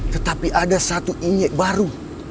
tetapi ada satu injek baru